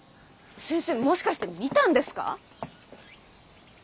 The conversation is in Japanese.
先生もしかして見たんですか？